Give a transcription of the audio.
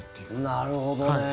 なるほどね。